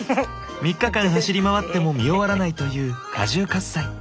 ３日間走り回っても見終わらないというカジューカス祭。